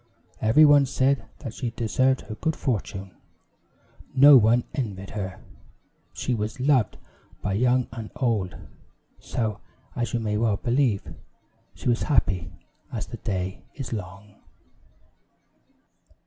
Every one said that she deserved her good fortune; no one envied her; she was loved by young and old; so, as you may well believe, she was happy as the day is long.